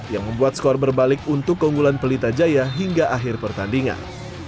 yang membuat skor berbalik untuk keunggulan pelita jaya hingga akhir pertandingan